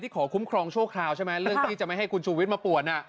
ขอคุ้มครองชั่วคราวใช่ไหมเรื่องที่จะไม่ให้คุณชูวิทย์มาป่วน